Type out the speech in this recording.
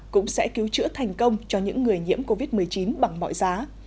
cũng sẽ cứu chữa thành công cho những người nhiễm covid một mươi chín bằng mọi giá